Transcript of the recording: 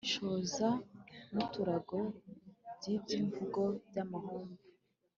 Inshoza n’uturango by’ibyivugo by’amahomvu .